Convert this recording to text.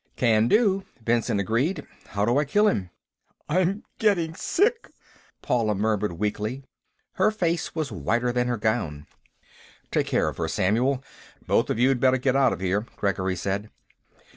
"Can do," Benson agreed. "How do I kill him?" "I'm getting sick!" Paula murmured weakly. Her face was whiter than her gown. "Take care of her, Samuel. Both of you'd better get out of here," Gregory said.